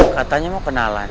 katanya mau kenalan